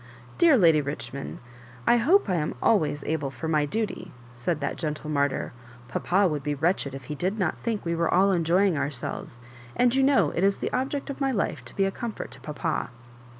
'* Dear Lady Richmond, I hope I am always able for my duty," said that gentle martyr, " Papa would be wretched if he did not think we were all enjoying ourselves ; and you know it is the object of my life to be a comfort to papa."